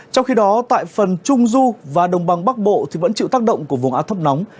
trong khi đó tại phần trung du và đồng bằng bắc bộ vẫn chịu tác động của vùng áp thấp nóng